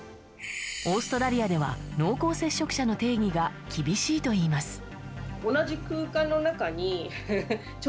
オーストラリアでは濃厚接触者の定義が厳しいといいます。